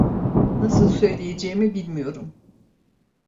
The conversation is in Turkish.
Nasıl söyleyeceğimi bilmiyorum.